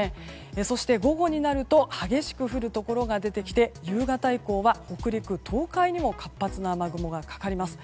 そして午後になると激しく降るところが出てきて夕方以降は東北などにも活発な雨雲がかかります。